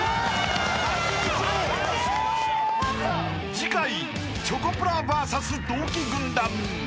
［次回チョコプラＶＳ同期軍団］